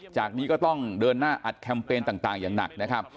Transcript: จากนี้ก็ต้องเดินหน้าอัดแคมเปญต่างอย่างหนักนะครับ